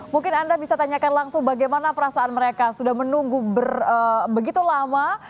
mungkin anda bisa tanyakan langsung bagaimana perasaan mereka sudah menunggu begitu lama